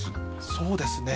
そうですね。